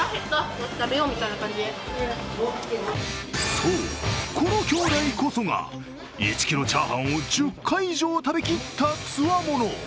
そう、この兄弟こそが１キロチャーハンを１０回以上食べきったつわもの。